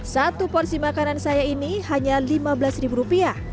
satu porsi makanan saya ini hanya lima belas ribu rupiah